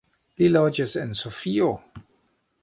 Li loĝis en Sofio.